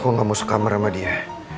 gue gak mau suka merama dia